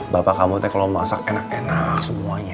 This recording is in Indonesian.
bapak kamu kalau masak enak enak semuanya